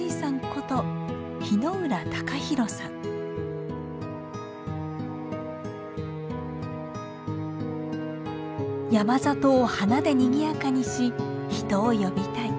こと山里を花でにぎやかにし人を呼びたい。